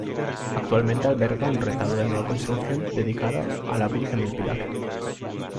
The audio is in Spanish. Actualmente alberga un retablo de nueva construcción dedicado a la Virgen del Pilar.